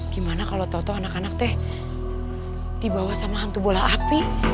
gimana kalau toto anak anak tuh dibawa sama hantu bola api